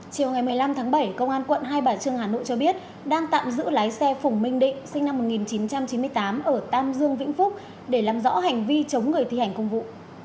chiều ngày một mươi năm tháng bảy công an quận hai bà trưng hà nội cho biết đang tạm giữ lái xe phùng minh định sinh năm một nghìn chín trăm chín mươi tám ở tam dương vĩnh phúc để làm rõ hành vi chống người thi hành công vụ